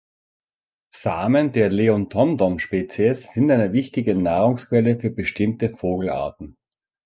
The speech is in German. Samen der „Leontodon“-Spezies sind eine wichtige Nahrungsquelle für bestimmte Vogelarten.